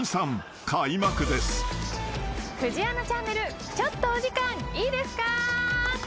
「フジアナチャンネルちょっとお時間いいですか？」